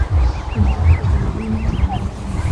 نجلۍ له زړګي خندا کوي.